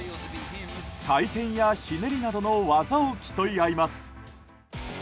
回転やひねりなどの技を競い合います。